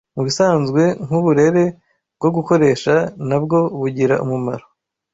mubisanzwe nkuburere bwogukoresha nabwo bugira umumaro